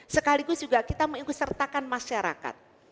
sekaligus juga kita mengikut sertakan masyarakat